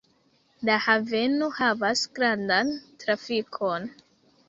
La haveno havas grandan trafikon.